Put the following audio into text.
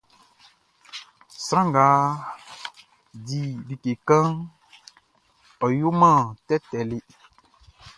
Sran ngʼɔ di like kanʼn, ɔ yoman tɛtɛ le.